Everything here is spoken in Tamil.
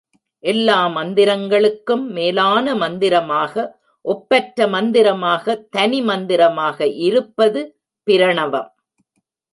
எல்லா மந்திரங்களுக்கும் மேலான மந்திரமாக, ஒப்பற்ற மந்திரமாக, தனி மந்திரமாக இருப்பது பிரணவம்.